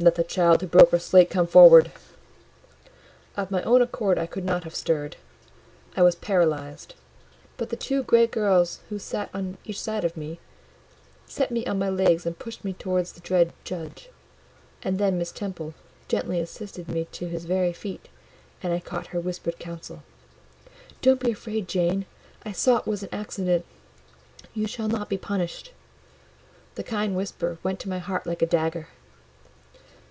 "Let the child who broke her slate come forward!" Of my own accord I could not have stirred; I was paralysed: but the two great girls who sat on each side of me, set me on my legs and pushed me towards the dread judge, and then Miss Temple gently assisted me to his very feet, and I caught her whispered counsel— "Don't be afraid, Jane, I saw it was an accident; you shall not be punished." The kind whisper went to my heart like a dagger.